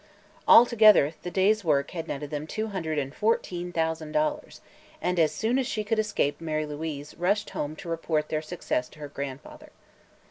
Altogether, the day's work had netted them two hundred and fourteen thousand dollars, and as soon as she could escape Mary Louise rushed home to report their success to her grandfather.